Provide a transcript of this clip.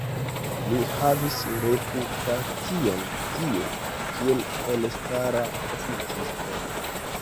Li havis reputacion tie kiel elstara oficisto.